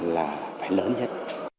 là phải lớn nhất